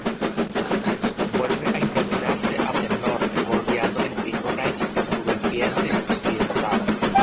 Vuelve a encaminarse hacia el norte, bordeando el pico Rex por su vertiente occidental.